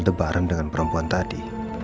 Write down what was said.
aldebaran dengan perempuan tadi